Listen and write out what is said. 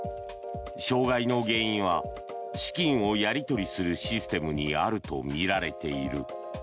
障害の原因は資金をやり取りするシステムにあるとみられている。